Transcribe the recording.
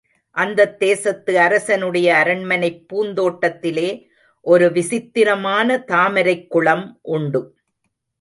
அந்தத் தேசத்து அரசனுடைய அரண்மனைப் பூந்தோட்டத்திலே ஒரு விசித்திரமான தாமரைக் குளம் உண்டு.